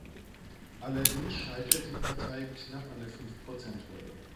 Allerdings scheiterte die Partei knapp an der Fünf-Prozent-Hürde.